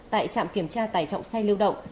tại trạm kiểm tra tải trọng xe lưu động